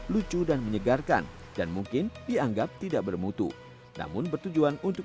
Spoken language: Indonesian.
lucu dan menyegarkan dan mungkin dianggap tidak bermutu namun bertujuan untuk